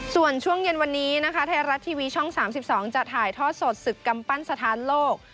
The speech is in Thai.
ส่วนช่วงเย็นวันนี้นะคะไทยรัฐทีวีช่อง๓๒จะถ่ายทอดสดศึกกำปั้นสถานโลก